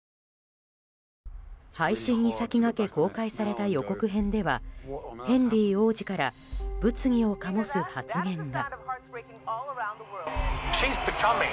配信に先駆け公開された予告編ではヘンリー王子から物議を醸す発言が。